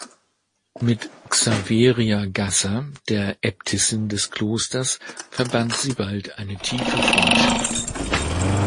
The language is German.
Mit Xaveria Gasser, der Äbtissin des Klosters verband sie bald eine tiefe Freundschaft.